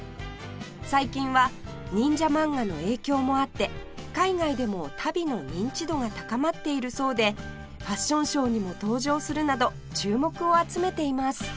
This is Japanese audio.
最近は忍者漫画の影響もあって海外でも足袋の認知度が高まっているそうでファッションショーにも登場するなど注目を集めています